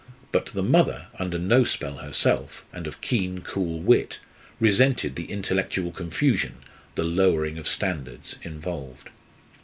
But the mother, under no spell herself, and of keen, cool wit, resented the intellectual confusion, the lowering of standards involved.